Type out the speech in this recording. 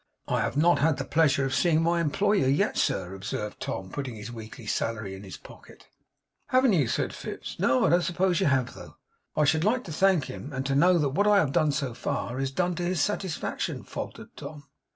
'I have not had the pleasure of seeing my employer yet, sir,' observed Tom, putting his week's salary in his pocket. 'Haven't you?' said Fips. 'No, I don't suppose you have though.' 'I should like to thank him, and to know that what I have done so far, is done to his satisfaction,' faltered Tom.